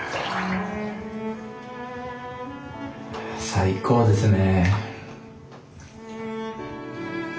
最高ですね。